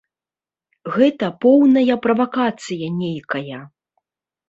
Гэта поўная правакацыя нейкая.